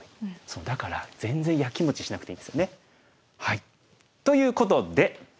そうだから全然やきもちしなくていいんですよね。ということで。